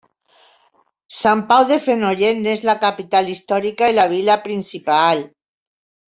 Sant Pau de Fenollet n'és la capital històrica i la vila principal.